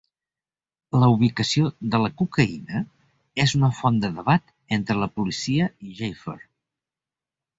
La ubicació de la cocaïna és una font de debat entre la policia i Jaffer.